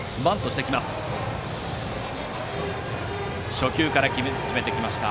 初球から決めてきました。